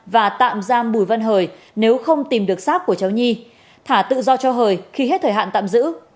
và tạm giam bùi văn hời nếu không tìm được sát của cháu nhi thả tự do cho hời khi hết thời hạn tạm giữ